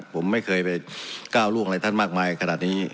ผมไม่เคยไปก้าวล่วงอะไรท่านมากมายขนาดนี้